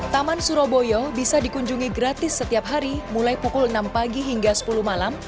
taman surabaya bisa dikunjungi gratis setiap hari mulai pukul enam pagi hingga sepuluh malam